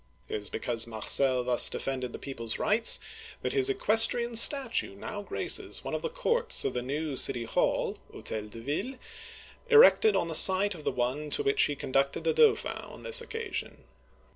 It is because Marcel thus defended the people's rights, that his equestrian statue now graces one of the courts of the new city hall (H6tel de Ville), erected on the site of the one to which he con ducted the Dauphin on this occasion.